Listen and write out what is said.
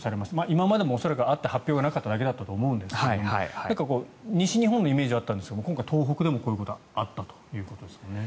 今までも恐らくあって発表がなかっただけだと思うんですが西日本のイメージがあったんですが今回、東北でもこういうことがあったということですね。